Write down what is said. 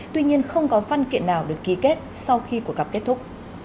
tuy nhiên không có văn kiện nào được ký kết sau khi cuộc gặp kết thúc